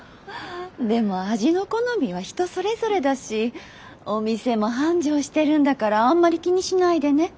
でも味の好みは人それぞれだしお店も繁盛してるんだからあんまり気にしないでね。